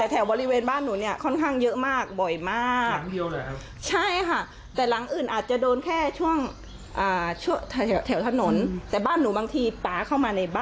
เธอเจออะไรค่ะ